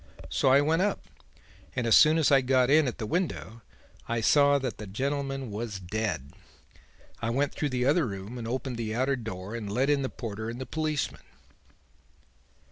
So I went up; and as soon as I got in at the window I saw that the gentleman was dead. I went through the other room and opened the outer door and let in the porter and the policeman.'